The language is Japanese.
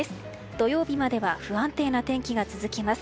土曜日までは不安定な天気が続きます。